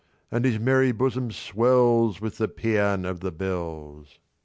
And his merry bosom swells With the pæan of the bells!